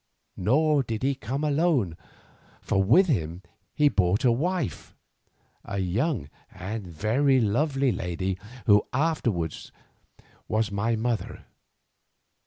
Nor did he come alone, for with him he brought a wife, a young and very lovely lady, who afterwards was my mother.